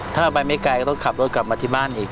ถ้าเราไปไม่ไกลก็ต้องขับรถกลับมาที่บ้านอีก